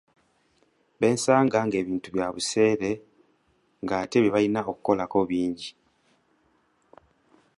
Beesanga ng'ebintu bya buseere ate nga bye balina okukolako bingi.